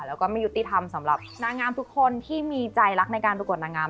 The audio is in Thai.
แล้วก็ไม่ยุติธรรมสำหรับนางงามทุกคนที่มีใจรักในการประกวดนางงาม